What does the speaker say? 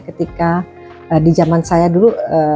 ketika di zaman saya dulu